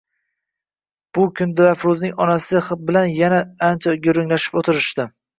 Shu kuni Dilafruzning onasi bilan yana ancha gurunglashib o`tirishdi